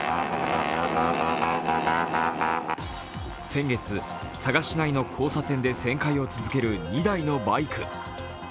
先月、佐賀市内の交差点で旋回を続ける２台のバイク。